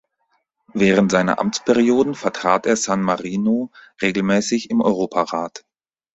Während seiner Amtsperioden vertrat er San Marino regelmäßig im Europarat.